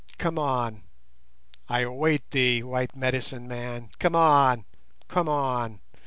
Come on! I await thee, white 'medicine man'; come on! come on!